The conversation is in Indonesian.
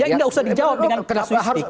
ya tidak usah dijawab dengan klasisistik